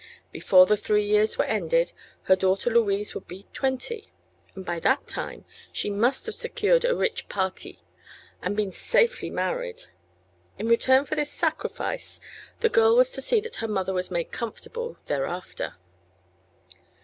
Before the three years were ended her daughter Louise would be twenty, and by that time she must have secured a rich parti and been safely married. In return for this "sacrifice" the girl was to see that her mother was made comfortable thereafter.